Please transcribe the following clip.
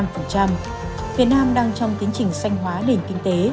việt nam đang trong tiến trình xanh hóa nền kinh tế